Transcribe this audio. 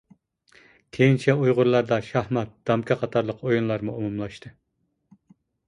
كېيىنچە ئۇيغۇرلاردا شاھمات، دامكا قاتارلىق ئويۇنلارمۇ ئومۇملاشتى.